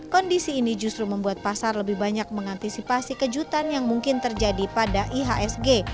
kondisi ini justru membuat pasar lebih banyak mengantisipasi kejutan yang mungkin terjadi pada ihsg